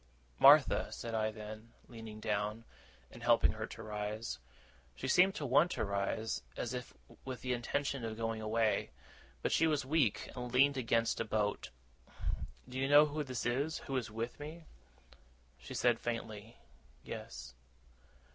'Martha,' said I then, leaning down, and helping her to rise she seemed to want to rise as if with the intention of going away, but she was weak, and leaned against a boat. 'Do you know who this is, who is with me?' She said faintly, 'Yes.